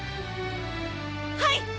はい！